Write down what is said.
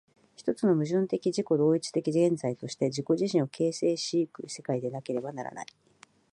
一つの矛盾的自己同一的現在として自己自身を形成し行く世界でなければならない。